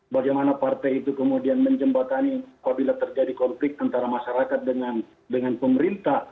bagaimana partai itu kemudian menjembatani apabila terjadi konflik antara masyarakat dengan pemerintah